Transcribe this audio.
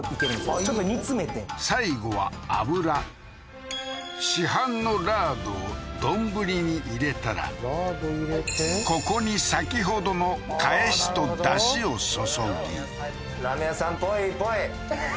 ちょっと煮詰めて最後は油市販のラードを丼に入れたらラード入れてここに先ほどの返しと出汁を注ぎラーメン屋さんぽいぽい！